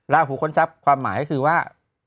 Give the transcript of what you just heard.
ลาหูค้นทรัพย์ความหมายก็คือว่า